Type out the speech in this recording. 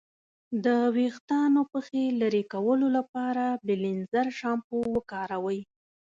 د ویښتانو پخې لرې کولو لپاره بیلینزر شامپو وکاروئ.